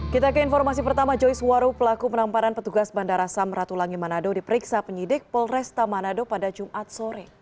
kita ke informasi pertama joyce waru pelaku penamparan petugas bandara samratulangi manado diperiksa penyidik polresta manado pada jumat sore